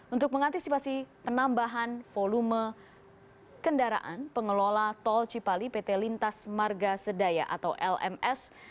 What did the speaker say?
untuk mengantisipasi penambahan volume kendaraan pengelola tol cipali pt lintas marga sedaya atau lms